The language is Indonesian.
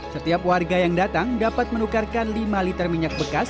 setiap warga yang datang dapat menukarkan lima liter minyak bekas